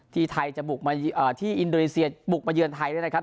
ที่ไทยจะบุกมาที่อินโดนีเซียบุกมาเยือนไทยด้วยนะครับ